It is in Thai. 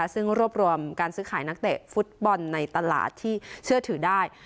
ซึ่งรวบรวมการซื้อขายนักเตะฟุตบอลในตลาดที่เชื่อถือได้